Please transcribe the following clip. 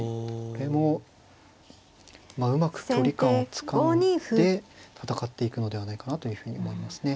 これもまあうまく距離感をつかんで戦っていくのではないかなというふうに思いますね。